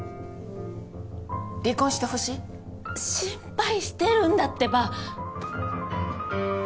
離婚してほしい？心配してるんだってば。